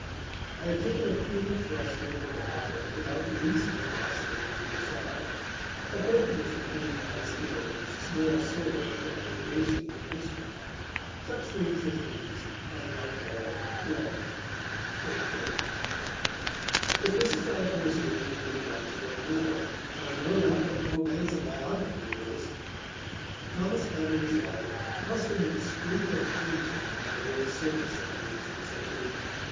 I have taken a cool thrust over a bottle, without the least animosity on either side, but both of us depending on our skill in the small sword for preservation from mischief. Such things as these I now call wrong." If this is not a person of whom we would like to know more, I know not what the romance of biography is. Thomas Amory's life must have been a streak of crimson on the grey surface of the eighteenth century.